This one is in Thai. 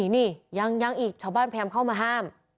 นี่ยังอีกชาวบ้านพยายามเข้ามาห้าม